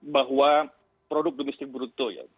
bahwa produk domestik bruto ya